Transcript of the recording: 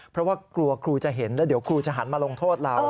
เพราะว่ากลัวครูจะเห็นแล้วเดี๋ยวครูจะหันมาลงโทษเรา